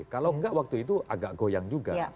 kalau enggak waktu itu agak goyang juga